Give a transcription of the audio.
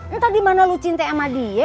entah dimana lo cintai sama dia